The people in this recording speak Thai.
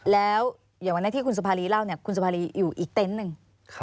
แล้วอย่างวันนี้ที่คุณสภารีเล่าคุณสภารีอยู่อีกเต้นหนึ่ง